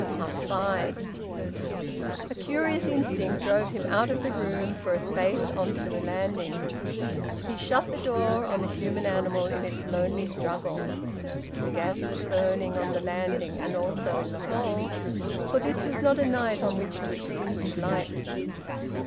FIVE. A curious instinct drove him out of the room for a space on to the landing. He shut the door on the human animal in its lonely struggle. The gas was burning on the landing and also in the hall, for this was not a night on which to extinguish lights.